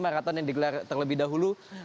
marathon yang digelar terlebih dahulu